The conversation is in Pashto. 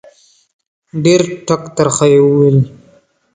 ډېر ټک ترخه یې وویل